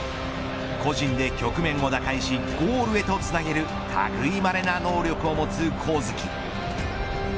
個人で局面を打開しゴールへとつなげる類まれなる能力を持つ上月。